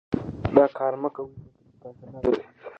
دا کار مه کوئ ځکه چې ګټه نه لري.